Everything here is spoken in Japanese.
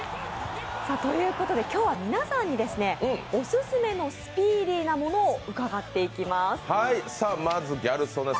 ということで今日は皆さんにオススメのスピーディな物を伺っていきます。